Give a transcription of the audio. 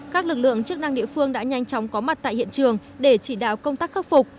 các lực lượng chức năng địa phương đã nhanh chóng có mặt tại hiện trường để chỉ đạo công tác khắc phục